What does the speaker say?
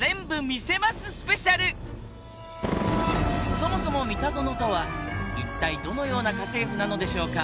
そもそもミタゾノとは一体どのような家政夫なのでしょうか？